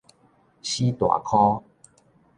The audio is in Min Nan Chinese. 死大箍